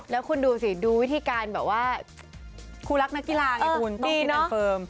แล้วคุณดูสิดูวิธีการแบบว่าคู่รักนักกีฬาไงอุ้นต้องกินแอนด์เฟิร์ม